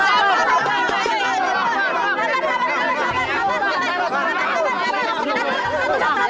sabun sabun sabun